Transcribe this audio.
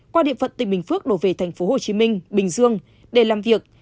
qua điện phận tỉnh bình phước đổ về thành phố hồ chí minh bình dương để làm việc